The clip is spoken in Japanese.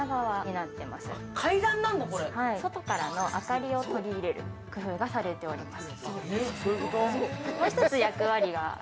外からの明かりを取り入れる工夫がされています。